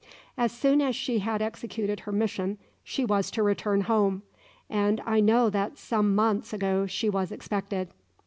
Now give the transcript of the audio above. As soon as she had executed her mission she was to return home; and I know that some months ago she was expected."